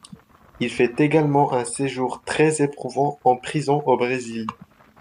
Il fait également un séjour très éprouvant en prison au Brésil.